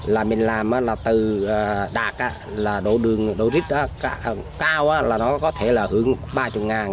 là mình làm là từ đạc là độ đường độ rít cao là nó có thể là hưởng ba mươi ngàn